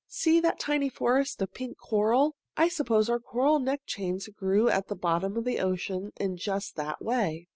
"See that tiny forest of pink coral. I suppose our coral neck chains grew at the bottom of the ocean in just that way."